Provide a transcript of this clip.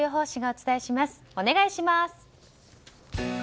お願いします。